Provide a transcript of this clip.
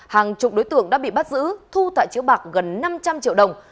hàng chục đối tượng đã bị bắt giữ thu tại chiếu bạc gần năm trăm linh triệu đồng